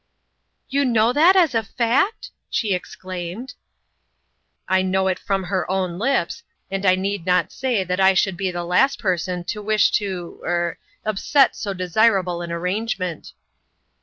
" You know that as a fact ?" she exclaimed. " I know it from her own lips, and I need not say that I should be the last person to wish to er upset so desirable an arrangement."